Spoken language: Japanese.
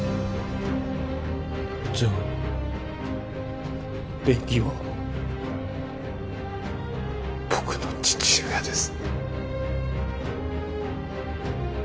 じゃあベキは僕の父親です